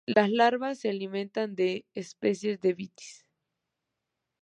Las larvas se alimentan de especies de "Vitis".